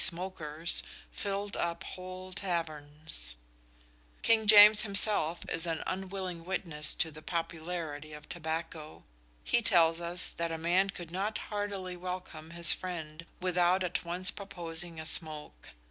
_ smokers] filled up whole Tavernes." King James himself is an unwilling witness to the popularity of tobacco. He tells us that a man could not heartily welcome his friend without at once proposing a smoke.